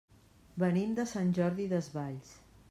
Venim de Sant Jordi Desvalls.